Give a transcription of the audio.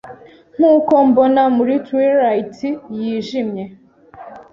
Nkuko mbona muri twilight yijimye